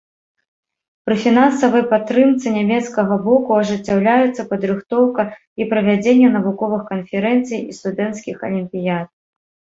Пры фінансавай падтрымцы нямецкага боку ажыццяўляюцца падрыхтоўка і правядзенне навуковых канферэнцый і студэнцкіх алімпіяд.